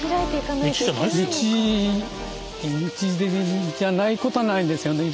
道道じゃないことはないですよね